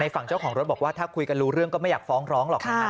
ฝั่งเจ้าของรถบอกว่าถ้าคุยกันรู้เรื่องก็ไม่อยากฟ้องร้องหรอก